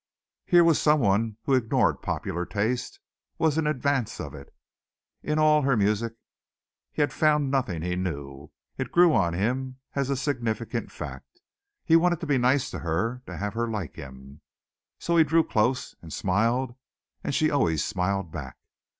Here was someone who ignored popular taste was in advance of it. In all her music he had found nothing he knew. It grew on him as a significant fact. He wanted to be nice to her, to have her like him. So he drew close and smiled and she always smiled back.